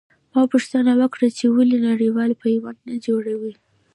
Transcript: ما پوښتنه وکړه چې ولې نړېوال پیوند نه جوړوي.